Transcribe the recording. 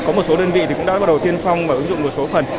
có một số đơn vị đã bắt đầu tiên phong và ứng dụng một số phần